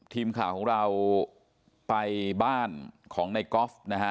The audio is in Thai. ทีมข่าวของเราไปบ้านของในกอล์ฟนะฮะ